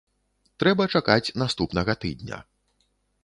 Трэба чакаць наступнага тыдня.